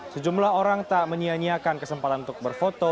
sejumlah orang tak menyianyiakan kesempatan untuk berfoto